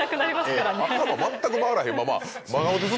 頭全く回らへんまま。